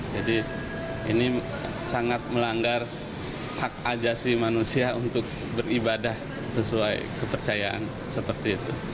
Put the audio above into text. jadi ini sangat melanggar hak ajasi manusia untuk beribadah sesuai kepercayaan seperti itu